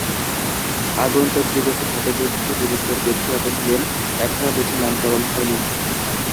আগন্তুকদিগকে হতবুদ্ধি নিরুত্তর দেখিয়া কহিলেন, এখনো বুঝি নামকরণ হয় নি?